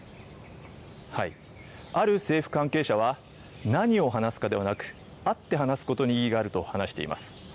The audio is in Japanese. ある政府関係者は、何を話すかではなく、会って話すことに意義があると話しています。